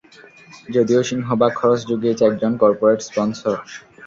যদিও, সিংহভাগ খরচ জুগিয়েছে একজন কর্পোরেট স্পন্সর।